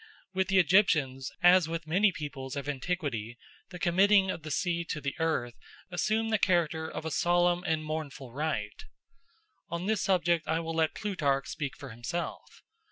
With the Egyptians, as with many peoples of antiquity, the committing of the seed to the earth assumed the character of a solemn and mournful rite. On this subject I will let Plutarch speak for himself.